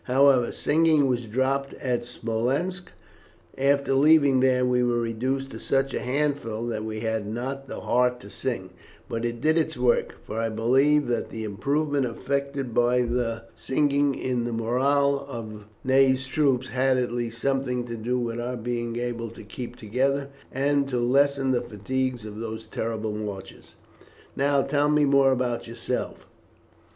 However, singing was dropped at Smolensk. After leaving there we were reduced to such a handful that we had not the heart to sing, but it did its work, for I believe that the improvement effected by the singing in the morale of Ney's troops had at least something to do with our being able to keep together, and to lessen the fatigues of those terrible marches. "Now tell me more about yourself.